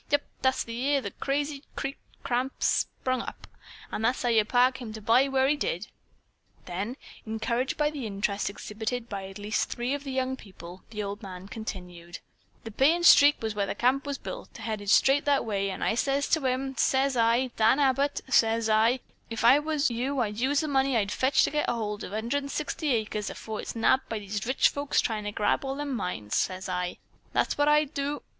Yep, that's the year the Crazy Creek Camp sprung up, and that's how yer pa come to buy where he did." Then, encouraged by the interest exhibited by at least three of the young people, the old man continued: "The payin' streak, where the camp was built, headed straight that way, and I sez to him, sez I 'Dan Abbott,' sez I, 'If I was you I'd use the money I'd fetched to get aholt of that 160 acres afore it's nabbed by these rich folks that's tryin' to grab all the mines,' sez I. 'That's what I'd do.'